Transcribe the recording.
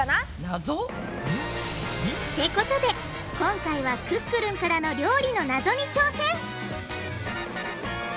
ナゾ？ってことで今回はクックルンからの料理のナゾに挑戦！